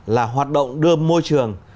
là hoạt động đưa môi trường